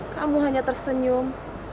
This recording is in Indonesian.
kamu hanya tersenyum